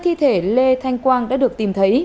thi thể lê thanh quang đã được tìm thấy